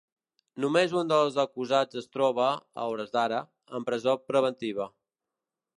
Només un dels acusats es troba, a hores d’ara, en presó preventiva.